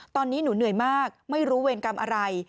ตอนนี้หนูเหนื่อยมากไม่รู้เวรกรรมอะไร